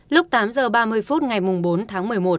lúc tám h ba mươi phút ngày bốn tháng một mươi một